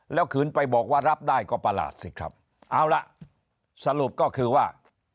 ขืนไปบอกว่ารับได้ก็ประหลาดสิครับเอาล่ะสรุปก็คือว่า